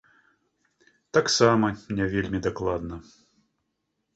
Таксама не вельмі дакладна.